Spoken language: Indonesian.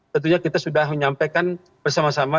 tentunya kita sudah menyampaikan bersama sama